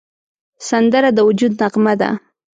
سندره د وجد نغمه ده